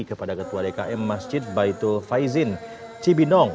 kepada ketua dkm masjid baitul faizin cibinong